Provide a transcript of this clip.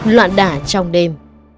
loạn đả trong đêm